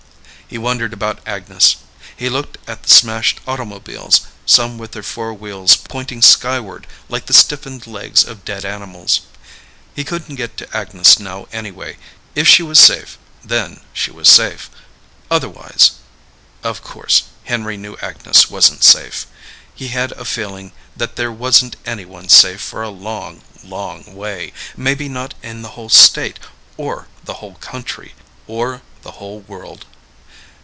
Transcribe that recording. He wondered about Agnes. He looked at the smashed automobiles, some with their four wheels pointing skyward like the stiffened legs of dead animals. He couldn't get to Agnes now anyway, if she was safe, then, she was safe, otherwise ... of course, Henry knew Agnes wasn't safe. He had a feeling that there wasn't anyone safe for a long, long way, maybe not in the whole state or the whole country, or the whole world.